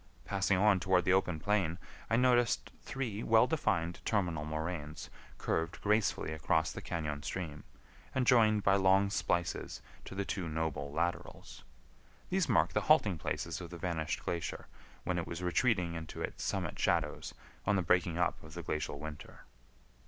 Passing on toward the open plain, I noticed three well defined terminal moraines curved gracefully across the cañon stream, and joined by long splices to the two noble laterals. These mark the halting places of the vanished glacier when it was retreating into its summit shadows on the breaking up of the glacial winter.